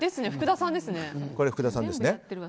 福田さんですね。